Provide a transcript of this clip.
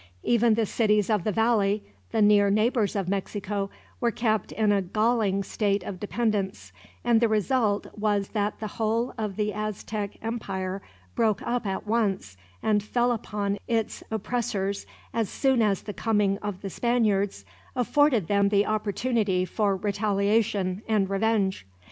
Even the cities of the valley, the near neighbors of Mexico, were kept in a galling state of dependence; and the result was that the whole of the Aztec Empire broke up at once, and fell upon its oppressors as soon as the coming of the Spaniards afforded them the opportunity for retaliation and revenge.